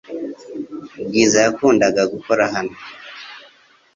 Bwiza yakundaga gukora hano .